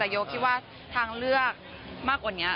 โยคคิดว่าทางเลือกมากกว่านี้